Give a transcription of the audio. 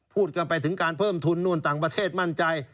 พูดกันไปถึงการเพิ่มทุนนู่นต่างประเทศมั่นใจ